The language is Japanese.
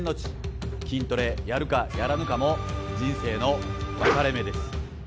筋トレやるかやらぬかも人生の分かれ目です！